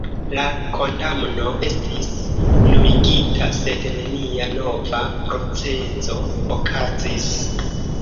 La kondamno estis nuligita, sed nenia nova procezo okazis.